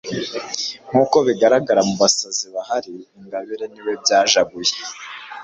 Nkuko bigaragara Mubasazi bahari Ingabire niwe byajaguye